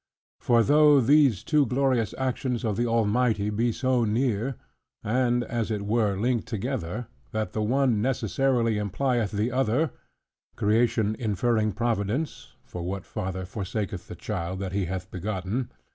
For though these two glorious actions of the Almighty be so near, and (as it were) linked together, that the one necessarily implieth the other: Creation inferring Providence (for what father forsaketh the child that he hath begotten?)